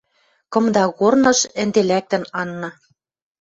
Кымда корныш ӹнде лӓктӹн Анна